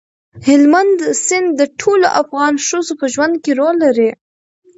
هلمند سیند د ټولو افغان ښځو په ژوند کې رول لري.